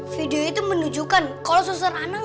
video itu menunjukkan kalau susah anak gak bisa menang